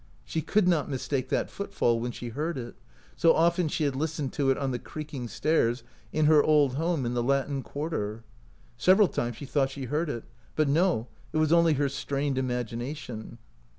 She could not mistake that footfall when she heard it; so often she had listened to it on the creaking stairs in her old home in the Latin Quarter. Several times she thought she heard it ; but no, it was only her strained imagination.